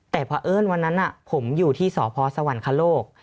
แต่เพราะเอิ้นวันนั้นผมอยู่ที่สพสวรรคโลก